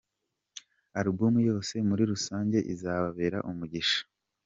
Alubumu yose muri rusange izababera umugisha.